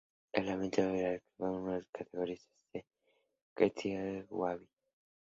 El ambiente familiar quizás fue uno de los catalizadores de la creatividad de Gaudí.